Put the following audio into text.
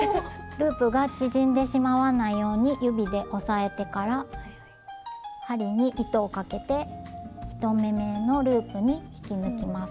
ループが縮んでしまわないように指で押さえてから針に糸をかけて１目めのループに引き抜きます。